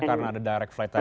karena ada direct flight tadi